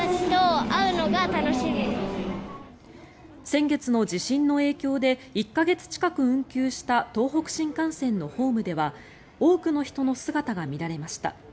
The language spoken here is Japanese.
先月の地震の影響で１か月近く運休した東北新幹線のホームでは多くの人の姿が見られました。